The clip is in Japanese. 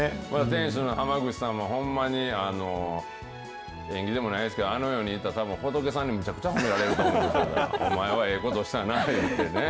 店主の浜口さんもほんまに縁起でもないですけど、あの世に行ったらたぶん、仏さんにめちゃくちゃ褒められると思います、お前はええことしたなって言ってね。